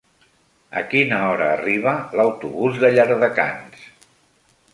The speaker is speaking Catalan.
A quina hora arriba l'autobús de Llardecans?